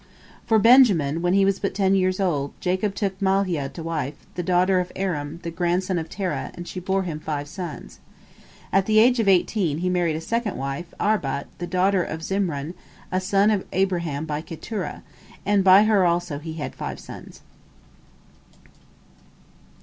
For Benjamin, when he was but ten years old, Jacob took Mahlia to wife, the daughter of Aram, the grandson of Terah, and she bore him five sons. At the age of eighteen he married a second wife, Arbat, the daughter of Zimran, a son of Abraham by Keturah, and by her also he had five sons.